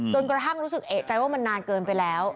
กระทั่งรู้สึกเอกใจว่ามันนานเกินไปแล้ว